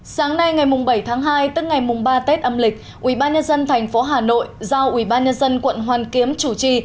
sáng nay ngày bảy tháng hai tức ngày ba tết âm lịch ubnd tp hà nội giao ubnd quận hoàn kiếm chủ trì